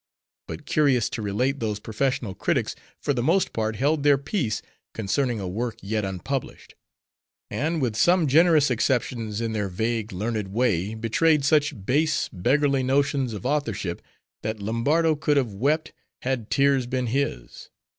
But curious to relate, those professional critics, for the most part, held their peace, concerning a work yet unpublished. And, with some generous exceptions, in their vague, learned way, betrayed such base, beggarly notions of authorship, that Lombardo could have wept, had tears been his.